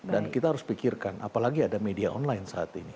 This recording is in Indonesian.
dan kita harus pikirkan apalagi ada media online saat ini